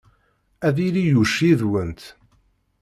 Ad yili Yuc yid-went.